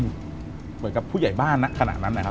เหมือนกับผู้ใหญ่บ้านณขณะนั้นนะครับ